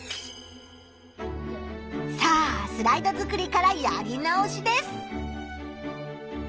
さあスライド作りからやり直しです。